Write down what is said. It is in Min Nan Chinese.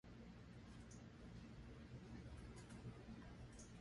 生我養我，護我身形